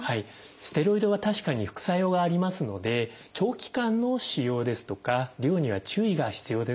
ステロイドは確かに副作用がありますので長期間の使用ですとか量には注意が必要です。